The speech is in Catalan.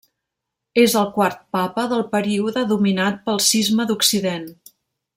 És el quart papa del període dominat pel Cisma d'Occident.